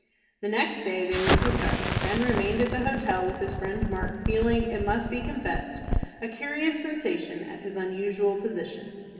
The next day they were to start. Ben remained at the hotel with his friend Mark, feeling, it must be confessed, a curious sensation at his unusual position.